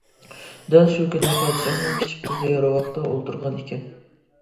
دەل شۇ كۈنى پادىشاھنىڭ كىچىك قىزى راۋاقتا ئولتۇرغان ئىكەن.